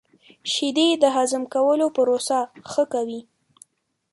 • شیدې د هضم کولو پروسه ښه کوي.